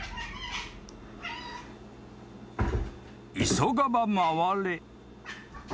［急がば回れ］